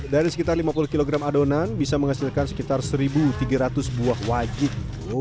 dari sekitar lima puluh kg adonan bisa menghasilkan sekitar satu tiga ratus buah wajit